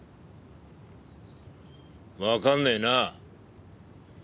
わかんねえな。